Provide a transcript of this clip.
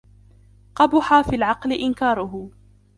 قَبُحَ فِي الْعَقْلِ إنْكَارُهُ